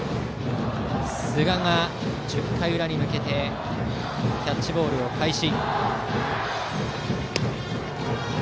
寿賀が１０回裏に向けてキャッチボールを開始。